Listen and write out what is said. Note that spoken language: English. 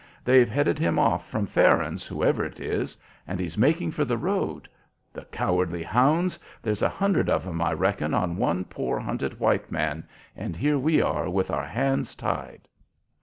They've headed him off from Farron's, whoever it is, and he's making for the road. The cowardly hounds! There's a hundred of 'em, I reckon, on one poor hunted white man, and here we are with our hands tied!"